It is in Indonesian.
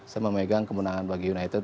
saya memegang kemenangan bagi united